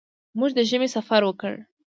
موږ د ژمي سفر وکړ.